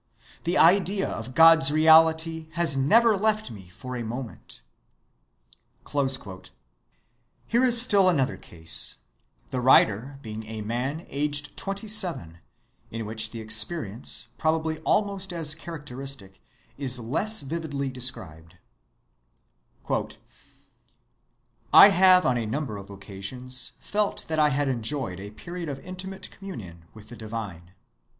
The idea of God's reality has never left me for one moment." Here is still another case, the writer being a man aged twenty‐seven, in which the experience, probably almost as characteristic, is less vividly described:— "I have on a number of occasions felt that I had enjoyed a period of intimate communion with the divine.